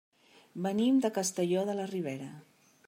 Venim de Castelló de la Ribera.